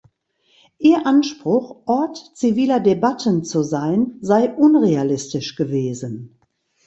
Ihr Anspruch, Ort ziviler Debatten zu sein, sei unrealistisch gewesen.